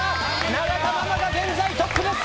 永田ママが現在トップです。